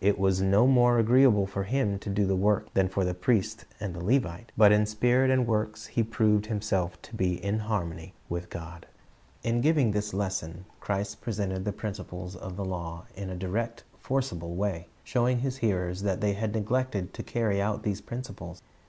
It was no more agreeable for him to do the work than for the priest and the Levite, but in spirit and works he proved himself to be in harmony with God, In giving this lesson, Christ presented the principles of the law in a direct, forcible way, showing His hearers that they had neglected to carry out these principles.